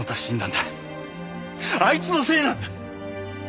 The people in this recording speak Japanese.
あいつのせいなんだ。